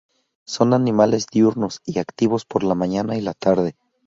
Son animales diurnos y activos por la mañana y la tarde.